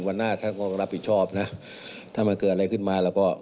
วันหน้าก็รับผิดชอบนะถ้ามันเกิดอะไรขึ้นมาแล้วก็